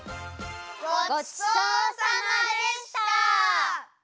ごちそうさまでした！